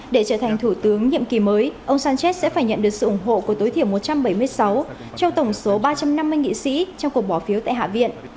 để trở thành thủ tướng nhiệm kỳ mới ông sánchez sẽ phải nhận được sự ủng hộ của tối thiểu một trăm bảy mươi sáu trong tổng số ba trăm năm mươi nghị sĩ trong cuộc bỏ phiếu tại hạ viện